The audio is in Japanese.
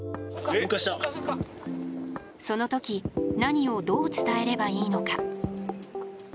そのとき何をどう伝えればいいのか。